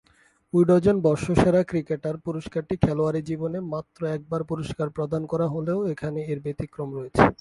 Wisden বর্ষসেরা cricketer পুরস্কারটি খেলোয়াড়ী জীবনে মাত্র একবার পুরস্কার প্রদান করা হলেও এখানে এর ব্যতিক্রম রয়েছে।